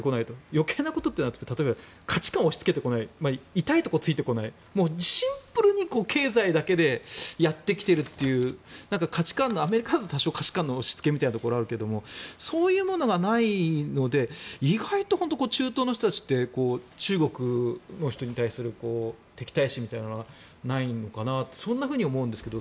余計なこと、例えば価値観を押しつけてこない痛いところをついてこないシンプルに経済だけでやってきているというアメリカだと多少、価値観の押しつけみたいなところがあるけれどそういうものがないので意外と中東の人たちって中国の人に対する敵対心みたいなのはないのかなと思うんですけど